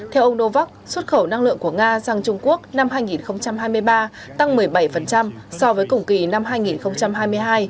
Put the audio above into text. theo ông novak xuất khẩu năng lượng của nga sang trung quốc năm hai nghìn hai mươi ba tăng một mươi bảy so với cùng kỳ năm hai nghìn hai mươi hai